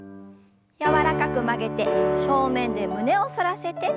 柔らかく曲げて正面で胸を反らせて。